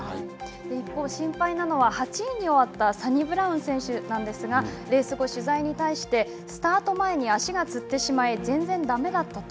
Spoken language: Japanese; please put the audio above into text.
一方心配なのは８位に終わったサニブラウン選手なんですが、レース後取材に対してスタート前に足がつってしまい、全然だめだったと。